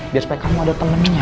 biar kamu ada temennya